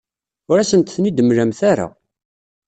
Ur asent-ten-id-temlamt ara.